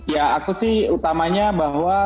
ya aku sih utamanya bahwa